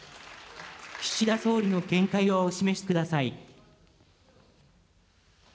岸田総理の見解をお示しください。